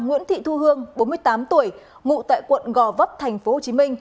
nguyễn thị thu hương bốn mươi tám tuổi ngụ tại quận gò vấp tp hcm